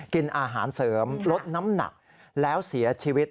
กินอาหารเสริมลดน้ำหนักแล้วเสียชีวิต